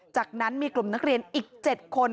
จากนั้นมีกลุ่มนักเรียนอีก๗คน